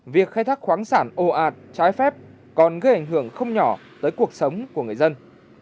việc khai thác khoáng sản ồ ạt trái phép còn gây ảnh hưởng không nhỏ tới cuộc sống của người dân